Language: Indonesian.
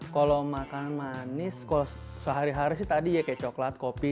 kalau makanan manis kalau sehari hari sih tadi ya kayak coklat kopi